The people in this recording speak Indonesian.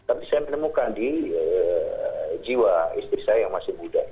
tapi saya menemukan di jiwa istri saya yang masih muda